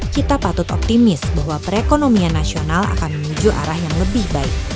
kita patut optimis bahwa perekonomian nasional akan menuju arah yang lebih baik